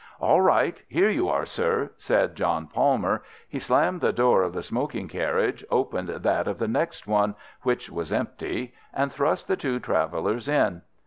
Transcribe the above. "All right! Here you are, sir!" said John Palmer. He slammed the door of the smoking carriage, opened that of the next one, which was empty, and thrust the two travellers in.